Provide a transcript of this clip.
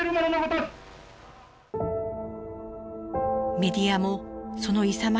メディアもその勇ましさ